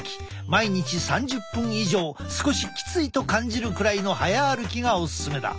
毎日３０分以上少しきついと感じるくらいの早歩きがおすすめだ。